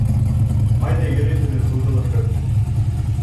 Ҡайҙа йөрөйһөгөҙ һуҙылышып?